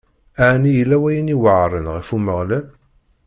Ɛni yella wayen iweɛṛen ɣef Umeɣlal?